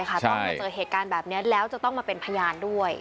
ต้องมาเจอเหตุการณ์แบบนี้แล้วจะต้องมาเป็นพยานด้วย